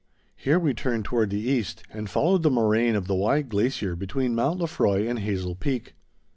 Here we turned toward the east, and followed the moraine of the wide glacier between Mount Lefroy and Hazel Peak.